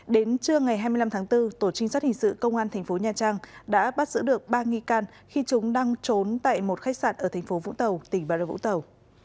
đến trưa ngày hai mươi năm tháng bốn tổ trinh sát hình sự công an tp nha trang đã bắt giữ được ba nghi can khi chúng đang trốn tại một khách sạn ở tp vũng tàu tỉnh bè đồng vũng tàu